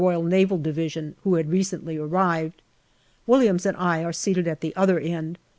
N.D., who had recently arrived. Williams and I are seated at the other end.